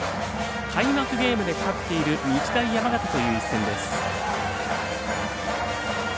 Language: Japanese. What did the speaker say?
開幕ゲームで勝っている日大山形との一戦です。